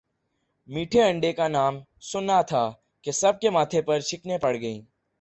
میٹھے انڈے کا نام سننا تھا کہ سب کے ماتھے پر شکنیں پڑ گئی